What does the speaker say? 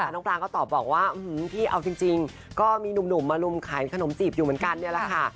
น้องปลาก็ตอบบอกว่าพี่เอาจริงก็มีหนุ่มมาลุมขายขนมจีบอยู่เหมือนกันเนี่ยแหละค่ะ